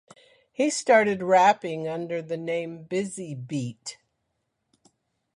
He started rapping under the name Busy Beat.